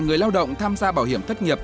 người lao động tham gia bảo hiểm thất nghiệp